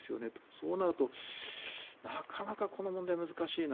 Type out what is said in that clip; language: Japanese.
そうなるとなかなかこの問題難しいな。